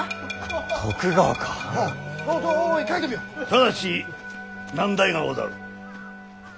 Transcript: ただし難題がござる。